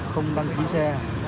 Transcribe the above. không đăng ký xe